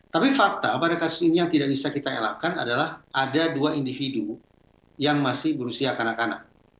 tapi fakta pada kasus ini yang tidak bisa kita elakkan adalah ada dua individu yang masih berusia kanak kanak